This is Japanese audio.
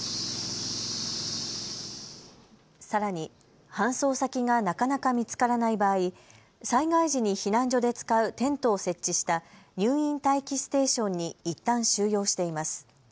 さらに搬送先がなかなか見つからない場合、災害時に避難所で使うテントを設置した入院待機ステーションにいったん収容しています。